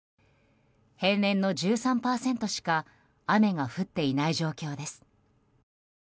平年の１３％しか雨が降っていない状況です。